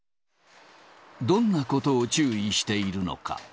どんなことを注意しているのか。